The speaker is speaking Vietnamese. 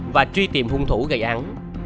và truy tìm hung thủ gây án